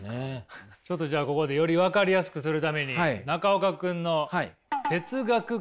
ちょっとじゃあここでより分かりやすくするために中岡君の哲学顔マネといきましょう。